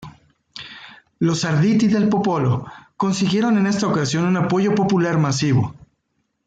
Los "Arditi del Popolo" consiguieron en esta ocasión un apoyo popular masivo.